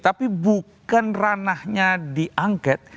tapi bukan ranahnya diangket